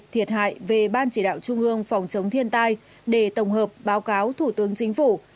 thiệt hại về ban chỉ đạo trung ương phòng chống thiên tai để tổng hợp báo cáo thủ tướng chính phủ